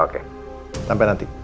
oke sampai nanti